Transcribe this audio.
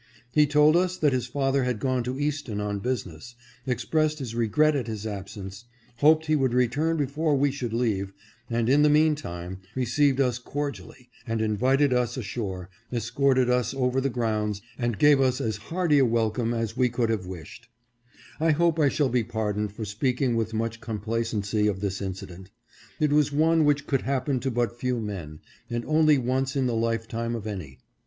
He told us that his father had gone to Easton on busi ness, expressed his regret at his absence, hoped he would return before we should leave, and in the meantime re ceived us cordially, and invited us ashore, escorted us over the grounds, and gave us as hearty a welcome as we could KIND EECEPTION FROM THE YOUNG GENTLEMAN. 541 have wished. I hope I shall be pardoned for speaking with much complacency of this incident. It was one which could happen to but few men, and only once in the life time of any.